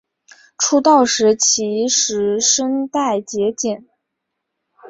出道时其实声带结茧。